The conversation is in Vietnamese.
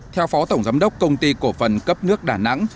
theo phó tổng giám đốc công ty cổ phần cấp nước đà nẵng